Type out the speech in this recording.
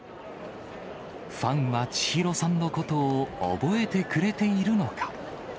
ファンは千尋さんのことを覚えてくれているのか。